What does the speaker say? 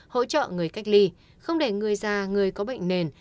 hỗ trợ người cách ly không để người già người có bệnh nền